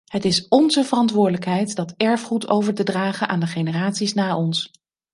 Het is onze verantwoordelijkheid dat erfgoed over te dragen aan de generaties na ons.